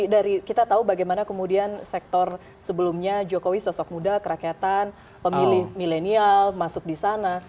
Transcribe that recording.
dari kita tahu bagaimana kemudian sektor sebelumnya jokowi sosok muda kerakyatan pemilih milenial masuk di sana